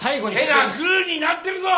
手がグーになってるぞ！